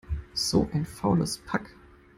So ein faules Pack!